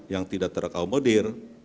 yang tidak terkomodir